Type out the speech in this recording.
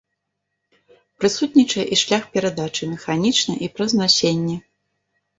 Прысутнічае і шлях перадачы механічна і праз насенне.